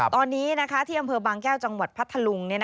ตอนนี้ที่อำเภอบางแก้วจังหวัดพัทธลุง